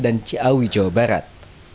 dan ciawi jawa barat